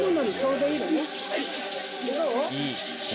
どう？